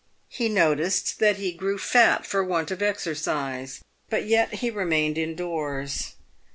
He noticed that he grew fat for want of exercise, but yet he remained in doors.